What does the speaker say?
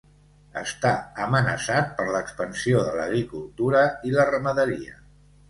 Està amenaçat per l'expansió de l'agricultura i la ramaderia.